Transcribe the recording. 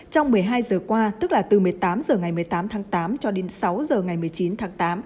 trong một mươi hai giờ qua tức là từ một mươi tám h ngày một mươi tám tháng tám cho đến sáu h ngày một mươi chín tháng tám